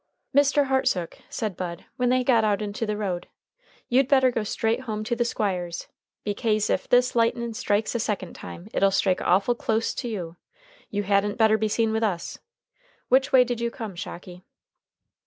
"Mr. Hartsook," said Bud, when they got out into the road, "you'd better go straight home to the Squire's. Bekase ef this lightnin' strikes a second time it'll strike awful closte to you. You hadn't better be seen with us. Which way did you come, Shocky?"